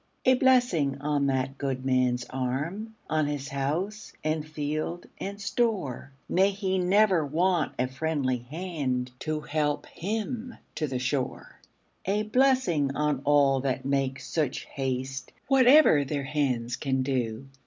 A blessing on that good man's arm, On his house, and field, and store; May he never want a friendly hand To help him to the shore! A blessing on all that make such haste, Whatever their hands can do!